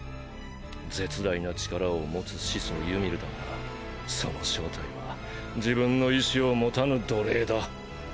絶大な力を持つ始祖ユミルだがその正体は自分の意志を持たぬ奴隷だ。